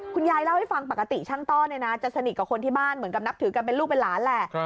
คุณยายเล่าให้ฟังปกติช่างต้อเนี่ยนะจะสนิทกับคนที่บ้านเหมือนกับนับถือกันเป็นลูกเป็นหลานแหละ